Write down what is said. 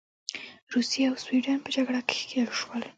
روسیې او سوېډن په جګړه کې ښکیل شول.